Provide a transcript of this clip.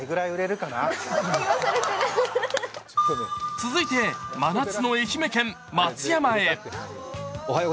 続いて真夏の愛媛県・松山へ。